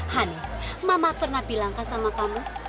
honey mama pernah bilangkan sama kamu